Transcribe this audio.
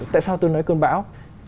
tại sao tôi nói cơn bão